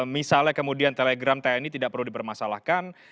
misalnya kemudian telegram tni tidak perlu dipermasalahkan